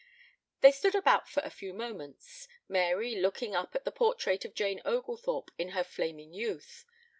They stood about for a few moments, Mary looking up at the portrait of Jane Oglethorpe in her flaming youth.